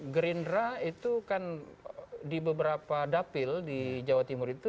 gerindra itu kan di beberapa dapil di jawa timur itu